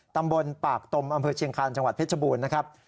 ตำบลปากตมอำเภอเชียงคาญจังหวัดเพชรบูรณ์นะครับ